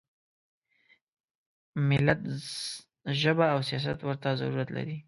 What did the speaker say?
ملت ژبه او سیاست ورته ضرورت لري.